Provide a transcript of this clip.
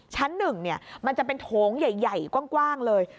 ชั้น๑มันจะเป็นโถงใหญ่กว้างเลย